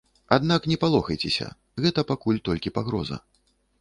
Аднак не палохайцеся, гэта пакуль толькі пагроза.